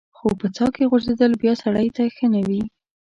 خو په څاه کې غورځېدل بیا سړی ته ښه نه وي.